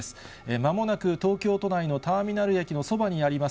まもなく東京都内のターミナル駅のそばにあります